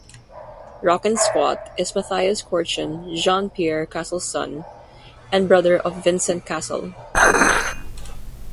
Rockin' Squat is Mathias Crochon, Jean-Pierre Cassel's son and brother of Vincent Cassel.